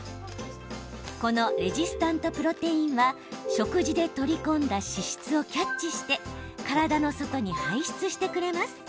このレジスタントプロテインは食事でとり込んだ脂質をキャッチして体の外に排出してくれます。